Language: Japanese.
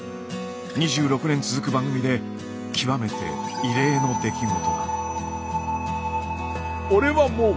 ２６年続く番組で極めて異例の出来事だ。